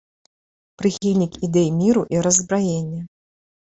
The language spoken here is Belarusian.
Прыхільнік ідэй міру і раззбраення.